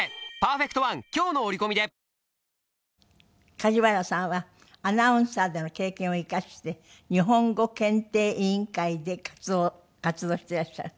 梶原さんはアナウンサーでの経験を生かして日本語検定委員会で活動をしていらっしゃる。